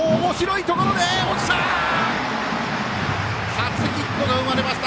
初ヒットが生まれました